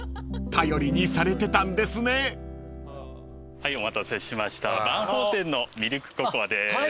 はいお待たせしましたバンホーテンのミルクココアです。